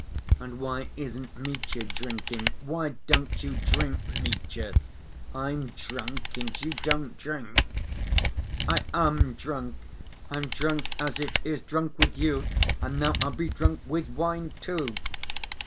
And why isn't Mitya drinking? Why don't you drink, Mitya? I'm drunk, and you don't drink...." "I am drunk! I'm drunk as it is ... drunk with you ... and now I'll be drunk with wine, too."